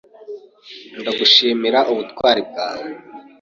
Ndagushimira ubutwari bwawe.